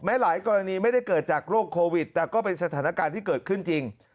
หลายกรณีไม่ได้เกิดจากโรคโควิดแต่ก็เป็นสถานการณ์ที่เกิดขึ้นจริง